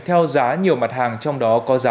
theo giá nhiều mặt hàng trong đó có giá